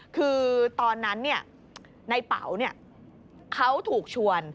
คือตอนนั้นในเป๋าเขาถูกชวน